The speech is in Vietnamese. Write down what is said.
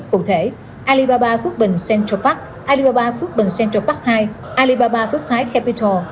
cụ thể alibaba phước bình central park alibaba phước bình central park hai alibaba phước thái capital